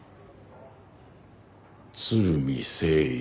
鶴見征一。